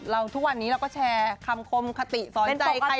ทุกวันนี้เราก็แชร์คำคมคติสอนใจใคร